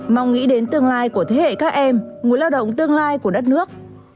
mong nghĩ đến tương lai của thế hệ các em nguồn lao động tương lai của đất nước